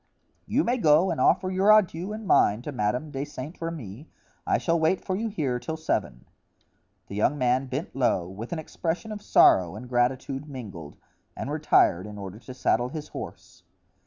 "You may go and offer your adieux and mine to Madame de Saint Remy. I shall wait for you here till seven." The young man bent low, with an expression of sorrow and gratitude mingled, and retired in order to saddle his horse.